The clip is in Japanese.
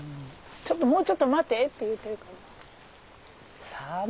ちょっともうちょっと待てって言うてるかな。